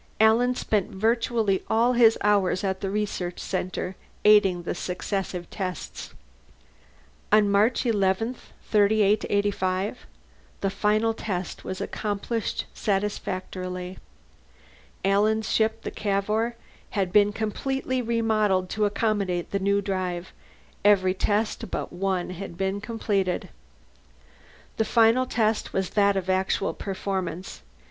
Alan spent virtually all his hours at the research center, aiding in the successive tests. On March 11, 3885, the final test was accomplished satisfactorily. Alan's ship, the Cavour, had been completely remodeled to accommodate the new drive; every test but one had been completed. The final test was that of actual performance.